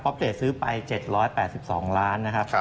ป๊อปเตจซื้อไป๗๘๒ล้านนะครับ